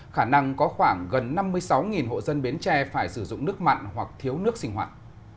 khả năng có khoảng gần năm mươi sáu hộ dân bến tre phải sử dụng nước mặn hoặc thiếu nước sinh hoạt